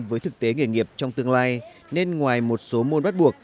với thực tế nghề nghiệp trong tương lai nên ngoài một số môn bắt buộc